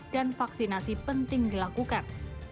dan vaksinasi penting dilakukan